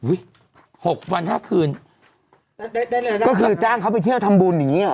หกวันห้าคืนก็คือจ้างเขาไปเที่ยวทำบุญอย่างนี้หรอ